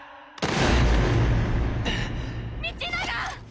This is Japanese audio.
道長！